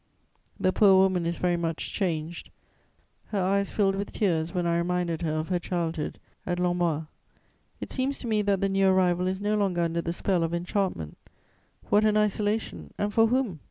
The poor woman is very much changed; her eyes filled with tears when I reminded her of her childhood at Lormois. It seems to me that the new arrival is no longer under the spell of enchantment. What an isolation! And for whom?